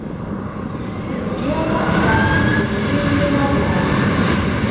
Tezgiḍ ɣef tugniwin n yinaẓuren.